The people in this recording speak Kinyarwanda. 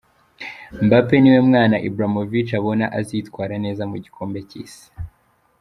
Mbappe niwe mwana Ibrahimovic abona azitwara neza mu gikombe cy’isi.